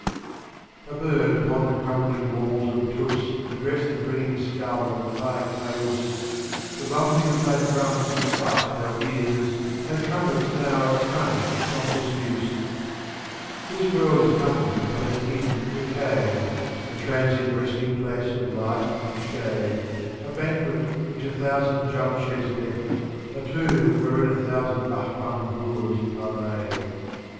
A Bird upon the crumbling walls of Tiis, Addressed the griuning Skull of Kai Kaiiis; "The Rumbling of Thy Drums affright no Ears, Thy Trumpets now are tarnished from Disuse." II. This World is nothing but an Inn dcicayed, A transient Resting Place of Light and Shade, A Banquet which a thousand Jiimsheds left, a tomb, Wherein a thousand Bahrdm Gours are laid.